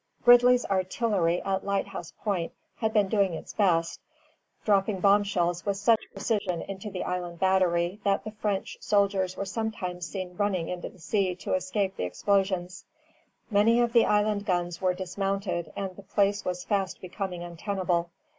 Gridley's artillery at Lighthouse Point had been doing its best, dropping bombshells with such precision into the Island Battery that the French soldiers were sometimes seen running into the sea to escape the explosions. Many of the Island guns were dismounted, and the place was fast becoming untenable.